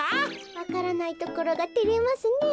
わからないところがてれますねえ。